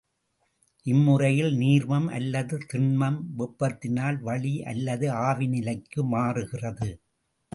இம்முறையில் நீர்மம் அல்லது திண்மம் வெப்பத்தினால் வளி அல்லது ஆவிநிலைக்கு மாறுகிறது.